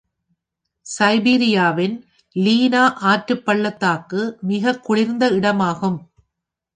சைபீரியாவின் Lena ஆற்றுப் பள்ளத்தாக்கு மிகக் குளிர்ந்த இடமாகும்.